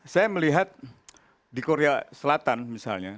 saya melihat di korea selatan misalnya